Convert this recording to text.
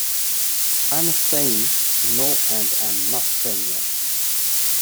I'm not saying no and I'm not saying yes.